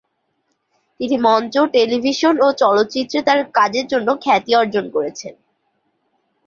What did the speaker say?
তিনি মঞ্চ, টেলিভিশন ও চলচ্চিত্রে তার কাজের জন্য খ্যাতি অর্জন করেছেন।